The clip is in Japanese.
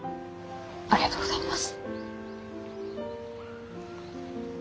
ありがとうございます。